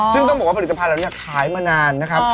ซึ่งต้องบอกว่าผลิตภัณฑ์เหล่านี้ขายมานานนะครับ